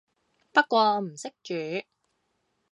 不過我唔識煮